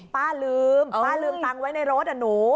ป้าลืมป้าลืมตังค์ไว้ในรถอ่ะหนู